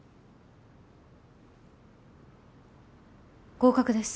合格です。